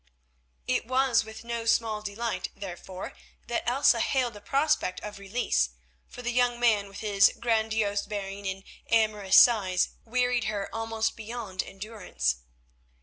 It was with no small delight, therefore, that Elsa hailed the prospect of release, for the young man with his grandiose bearing and amorous sighs wearied her almost beyond endurance.